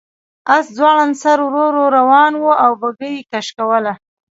آس ځوړند سر ورو ورو روان و او بګۍ یې کش کوله.